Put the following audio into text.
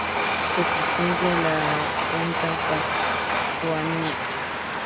Su existencia la apunta Pausanias.